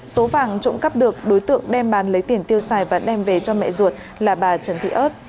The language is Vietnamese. số vàng trộm cắp được đối tượng đem bán lấy tiền tiêu xài và đem về cho mẹ ruột là bà trần thị ớt